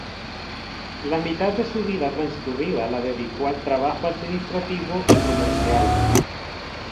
La mitad de su vida transcurrida la dedicó al trabajo administrativo y comercial.